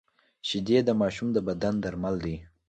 شیدې د ماشوم د بدن درمل دي